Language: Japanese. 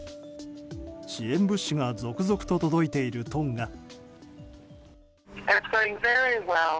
支援物資が続々と届いているトンガ。